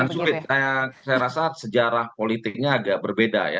saya rasa sejarah politiknya agak berbeda ya